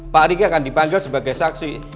pak riki akan dipanggil sebagai saksi